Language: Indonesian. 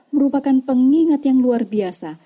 merupakan pengingat yang luar biasa